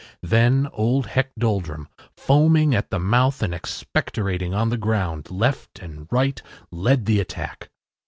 Then old Heck Doldrum, foaming at the mouth and expectorating on the ground, left and right, led the attack.